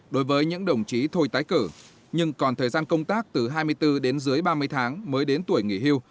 đối với những đồng chí thôi tái cử nhưng còn thời gian công tác từ hai mươi bốn đến dưới ba mươi tháng mới đến tuổi nghỉ hưu